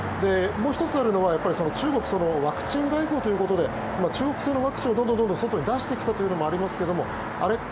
もう１つあるのは、中国ワクチン外交ということで中国製のワクチンをどんどん外に出してきたということもありますがあれ？